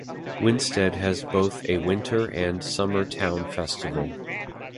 Winsted has both a winter and summer town festival.